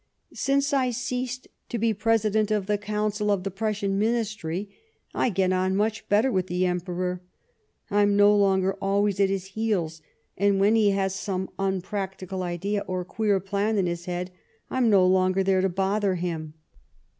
Since I ceased to be President of the Council of the Prussian Ministry, I get on much better with the Emperor. I'm no longer always at his heels, and, when he has some unpractical idea or queer plan in his head, I'm no longer there to bother him."